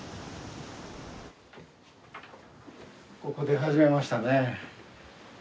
ここで始めましたね。